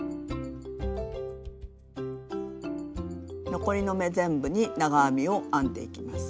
残りの目全部に長編みを編んでいきます。